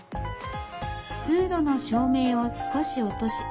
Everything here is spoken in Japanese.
「通路の照明を少し落とし